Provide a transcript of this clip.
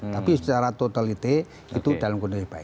tapi secara totalite itu dalam kondisi baik